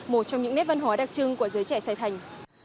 một trong những nét văn hóa đặc trưng của giới trẻ sài thành